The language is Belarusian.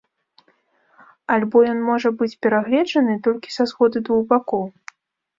Альбо ён можа быць перагледжаны толькі са згоды двух бакоў?